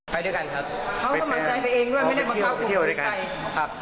ไปด้วยกันครับเขาสมัครใจไปเองด้วยไม่ได้มาเที่ยวไปด้วยกันครับ